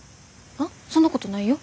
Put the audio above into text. そんなことないよ。